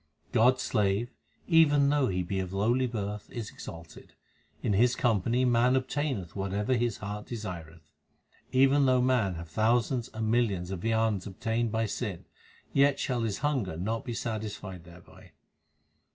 God s slave, even though he be of lowly birth, is exalted ; in his company man obtaineth whatever his heart desireth. Even though man have thousands and millions of viands obtained by sin, yet shall his hunger not be satisfied thereby.